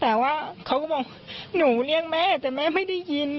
แต่ว่าเขาก็บอกหนูเรียกแม่แต่แม่ไม่ได้ยิน